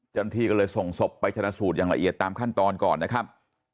เจ้าหน้าที่ก็เลยส่งศพไปชนะสูตรอย่างละเอียดตามขั้นตอนก่อนนะครับ